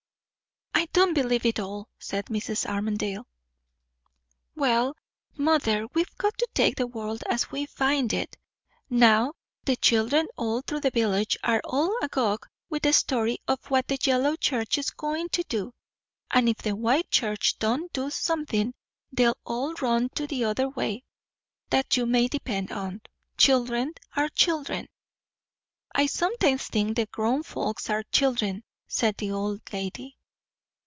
"I don't believe in it all!" said Mrs. Armadale. "Well, mother, we've got to take the world as we find it. Now the children all through the village are all agog with the story of what the yellow church is goin' to do; and if the white church don't do somethin', they'll all run t'other way that you may depend on. Children are children." "I sometimes think the grown folks are children," said the old lady.